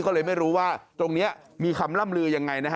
ก็เลยไม่รู้ว่าตรงนี้มีคำล่ำลืออย่างไร